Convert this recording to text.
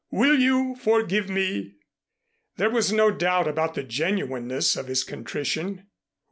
Will you forgive me?" There was no doubt about the genuineness of his contrition.